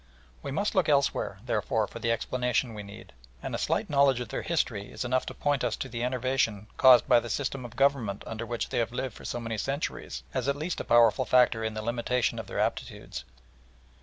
We must look elsewhere, therefore, for the explanation we need, and a slight knowledge of their history is enough to point us to the enervation caused by the system of government under which they have lived for so many centuries as at least a powerful factor in the limitation of their aptitudes.